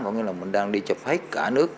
có nghĩa là mình đang đi chập hết cả nước